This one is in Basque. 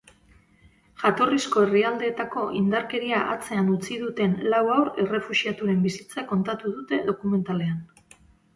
Jatorrizko herrialdeetako indarkeria atzean utzi duten lau haur errefuxiaturen bizitza kontatu dute dokumentalean.